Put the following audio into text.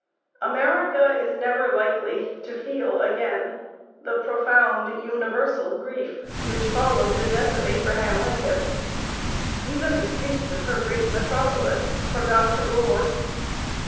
America is never likely to feel again the profound, universal grief which followed the death of Abraham Lincoln. Even the streets of her great Metropolis "forgot to roar."